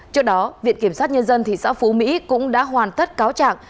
trước đó viện kiểm sát nhân dân thị xã phú mỹ cũng đã hoàn tất cáo trạng